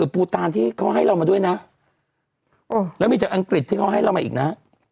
ภูตานที่เขาให้เรามาด้วยนะแล้วมีจากอังกฤษที่เขาให้เรามาอีกนะ